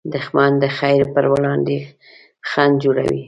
دښمن د خیر پر وړاندې خنډ جوړوي